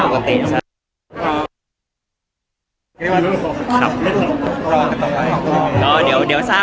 ความคลุกก็จะมีปัญหา